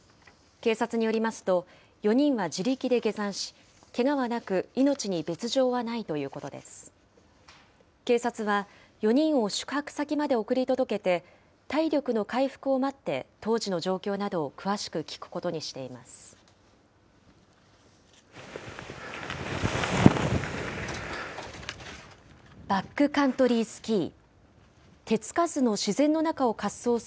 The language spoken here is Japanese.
警察は４人を宿泊先まで送り届けて、体力の回復を待って、当時の状況などを詳しく聴くことにしています。